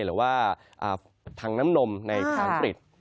หรือว่าทางน้ำนมในทางปริศ